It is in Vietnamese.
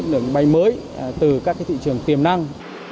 đường bay mới từ các thị trường tiềm năng